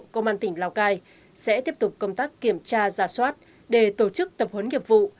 công an tỉnh lào cai sẽ tiếp tục công tác kiểm tra giả soát để tổ chức tập huấn nghiệp vụ